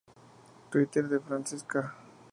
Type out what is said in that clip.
Twitter de Francesca